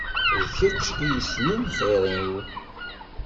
D kečč i yesnen xir-iw.